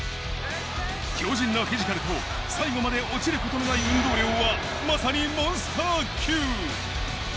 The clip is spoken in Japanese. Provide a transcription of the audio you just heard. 強靭なフィジカルと最後まで落ちることのない運動量はまさにモンスター級！